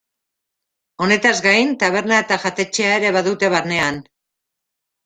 Honetaz gain taberna eta jatetxea ere badute barnean.